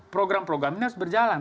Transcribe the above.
program programnya harus berjalan